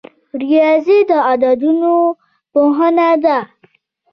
ریاضي د اعدادو پوهنه ده